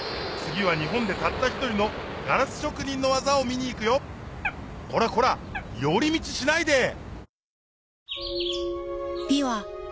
次は日本でたった一人のガラス職人の技を見に行くよこらこら寄り道しないで！